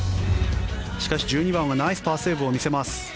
しかし、１２番はナイスパーセーブを見せます。